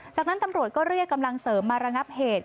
จากนั้นตำรวจก็เรียกกำลังเสริมมาระงับเหตุ